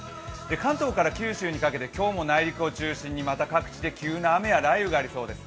関東から九州にかけて今日も内陸を中心にまた各地で急な雨や雷雨がありそうです。